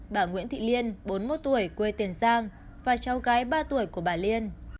bà nguyễn thị liên bốn mươi một tuổi quê tiền giang và cháu gái ba tuổi của bà liên